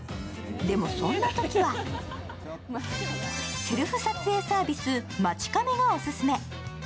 でも、そんなときはセルフ撮影サービス・マチカメがオススメ。